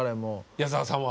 矢沢さんは。